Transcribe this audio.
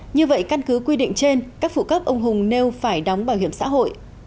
như vậy căn cứ quy định trên các phụ cấp ông hùng nêu phải đóng bảo hiểm xã hội